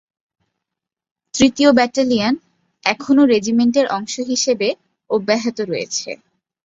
তৃতীয় ব্যাটালিয়ন এখনও রেজিমেন্টের অংশ হিসাবে অব্যাহত রয়েছে।